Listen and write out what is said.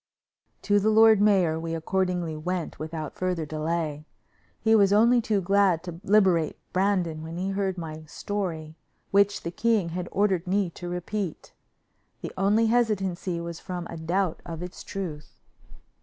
To the lord mayor we accordingly went without further delay. He was only too glad to liberate Brandon when he heard my story, which the king had ordered me to repeat. The only hesitancy was from a doubt of its truth.